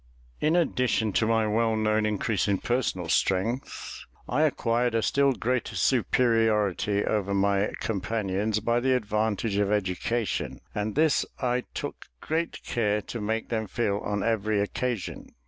In addition to my well known increase in personal strength, I acquired a still greater superiority over my companions by the advantage of education; and this I took great care to make them feel on every occasion.